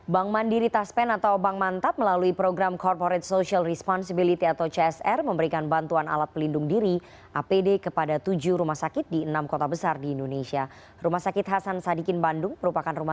bank bandiri taspen atau bank mantap melalui program corporate social responsibility atau csr